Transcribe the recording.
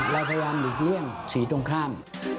เราพยายามหลีกเลี่ยงสีตรงข้าม